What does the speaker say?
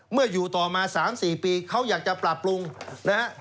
เมื่ออยู่ต่อมา๓๔ปีเขาอยากจะปรับปรุงนะครับ